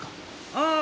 ああ。